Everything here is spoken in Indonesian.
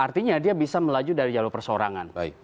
artinya dia bisa melaju dari jalur persorangan